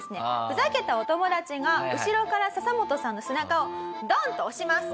ふざけたお友達が後ろからササモトさんの背中をドンッと押します。